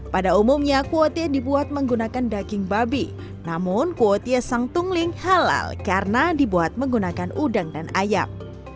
pada umumnya kuotie dibuat menggunakan daging babi namun kuotie sang tungling halal karena dibuat menggunakan udang dan ayam